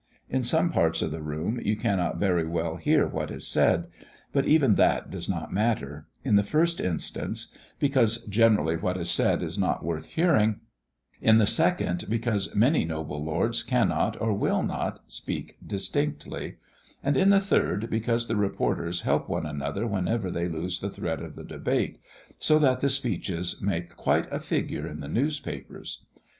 In some parts of the room you cannot very well hear what is said; but even that does not matter: in the first instance, because generally what is said is not worth hearing; in the second, because many noble lords cannot, or will not, speak distinctly; and, in the third, because the reporters help one another whenever they lose the thread of the debate, so that the speeches make quite a figure in the newspapers.